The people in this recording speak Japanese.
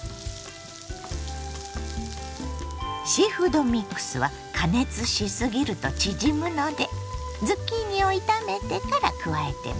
シーフードミックスは加熱しすぎると縮むのでズッキーニを炒めてから加えてね。